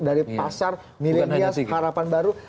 dari pasar milenial harapan baru